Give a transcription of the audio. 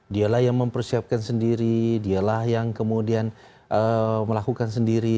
dialah yang mempersiapkan sendiri dialah yang kemudian melakukan sendiri